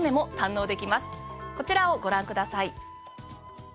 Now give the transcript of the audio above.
こちらをご覧ください。